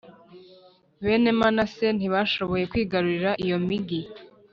Bene manase ntibashoboye kwigarurira iyo migi